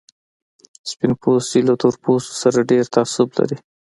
سپين پوستي له تور پوستو سره ډېر تعصب لري.